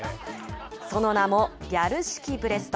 その名も、ギャル式ブレスト。